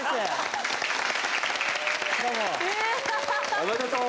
おめでとう！